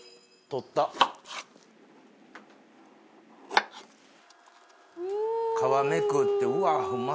取った皮めくってうわっうま